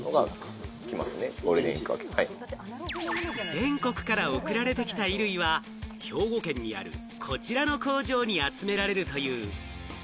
全国から送られてきた衣類は、兵庫県にあるこちらの工場に集められるという。